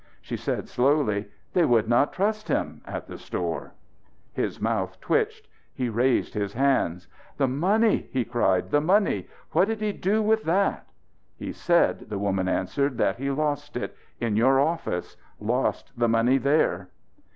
She said slowly: "They would not trust him at the store." His mouth twitched, he raised his hands. "The money!" he cried. "The money! What did he do with that?" "He said," the woman answered, "that he lost it in your office; lost the money there."